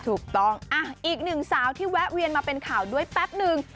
ถูกต้องอีกหนึ่งสาวที่แวะเวียนมาเป็นข่าวด้วยแป๊บนึง